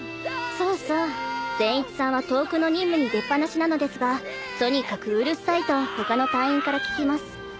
［そうそう善逸さんは遠くの任務に出っ放しなのですがとにかくうるさいと他の隊員から聞きます］